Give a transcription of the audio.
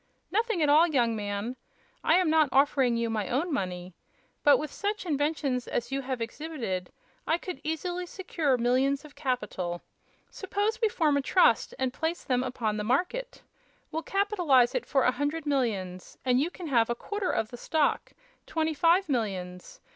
"Nothing at all, young man. I am not offering you my own money. But with such inventions as you have exhibited I could easily secure millions of capital. Suppose we form a trust, and place them upon the market. We'll capitalize it for a hundred millions, and you can have a quarter of the stock twenty five millions.